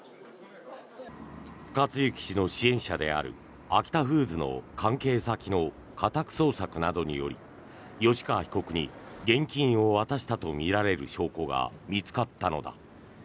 克行氏の支援者であるアキタフーズの関係先の家宅捜索などにより吉川被告に現金を渡したとみられる証拠が見つかったのだ。